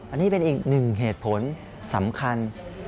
อันนี้เป็นอีกหนึ่งเหตุผลสำคัญ